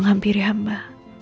terima kasih bu